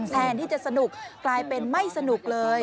แทนที่จะสนุกกลายเป็นไม่สนุกเลย